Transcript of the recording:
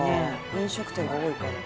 飲食店が多いから。